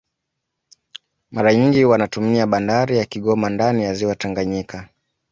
Mara nyingi wanatumia bandari ya Kigoma ndani ya ziwa Tanganyika